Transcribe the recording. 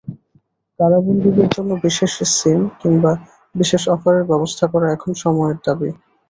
কারাবন্দীদের জন্য বিশেষ সিম, কিংবা বিশেষ অফারের ব্যবস্থা করা এখন সময়ের দাবি।